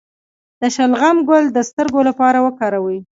د شلغم ګل د سترګو لپاره وکاروئ